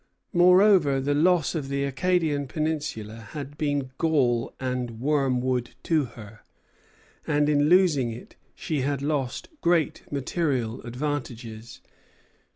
Moreover the loss of the Acadian peninsula had been gall and wormwood to her; and in losing it she had lost great material advantages.